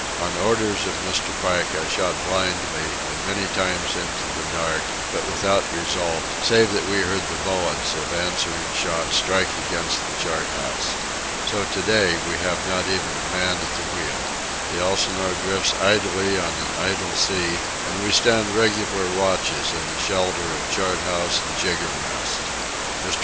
Under orders of Mr. Pike I shot blindly and many times into the dark, but without result, save that we heard the bullets of answering shots strike against the chart house. So to day we have not even a man at the wheel. The Elsinore drifts idly on an idle sea, and we stand regular watches in the shelter of chart house and jiggermast. Mr.